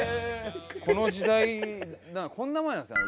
この時代こんな前なんですね